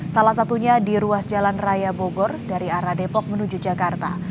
salah satunya di ruas jalan raya bogor dari arah depok menuju jakarta